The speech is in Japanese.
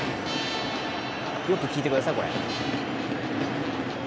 よく聞いてください、これ。